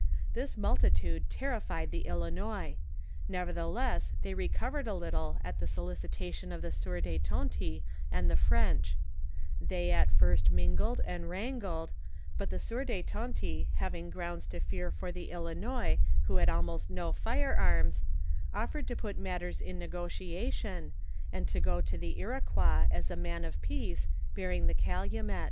This multitude terrified the Ilinois ; nevertheless, they recovered a little at the solicitation of the sieur de Tonty and the French ; they at first mingled and wrangled, but the sieur de Tonty having grounds to fear for the Ilinois who had almost no firearms, offered to put mattere in negotiation, and to go to the Iroquois as a man of peace, bearing the calumet.